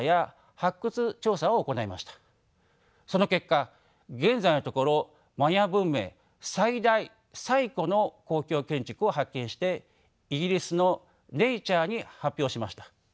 その結果現在のところマヤ文明最大最古の公共建築を発見してイギリスの「ネイチャー」に発表しました。